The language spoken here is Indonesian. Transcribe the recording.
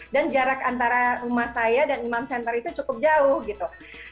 dan jarak antara rumah saya dan imam center itu cukup jauh gitu